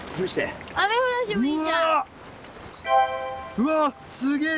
うわすげえ。